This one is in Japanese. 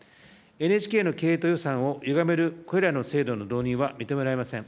ＮＨＫの経営と予算をゆがめるこれらの制度の導入は認められません。